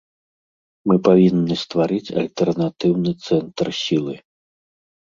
Мы павінны стварыць альтэрнатыўны цэнтр сілы.